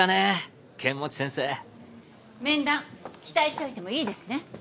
面談期待しておいてもいいですね？